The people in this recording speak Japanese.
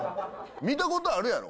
見たことあるやろ？